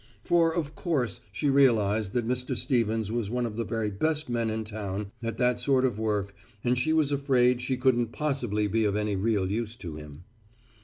For, of course, she realized that Mr. Stevens was one of the very best men in town at that sort of work and she was afraid she couldn't possibly be of any real use to him.